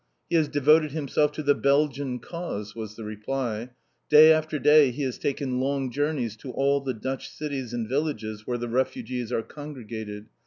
"He has devoted himself to the Belgian Cause," was the reply. "Day after day he has taken long journeys to all the Dutch cities and villages where the refugees are congregated.